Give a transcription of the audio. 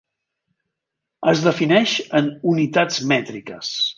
Es defineix en unitats mètriques.